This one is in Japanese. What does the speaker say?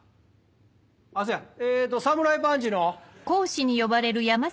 あっそうやえっと侍パンチの。